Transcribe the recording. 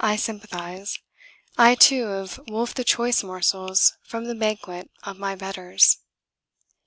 I sympathise. I too have wolfed the choice morsels from the banquet of my betters.